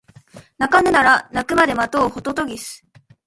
鳴かぬなら鳴くまで待とうホトトギス